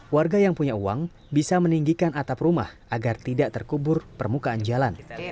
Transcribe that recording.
warga yang punya uang bisa meninggikan atap rumah agar tidak terkubur permukaan jalan